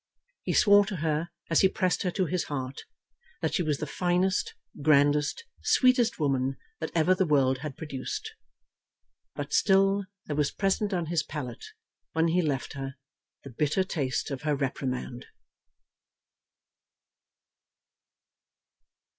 He swore to her as he pressed her to his heart that she was the finest, grandest, sweetest woman that ever the world had produced. But still there was present on his palate, when he left her, the bitter taste of her reprimand.